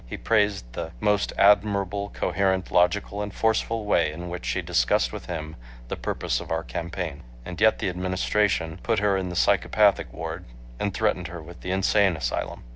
He praised the "most admirable, coherent, logical and forceful way" in which she discussed with him the purpose of our campaign. And yet the Administration put her in the psychopathic ward and threatened her with the insane asylum.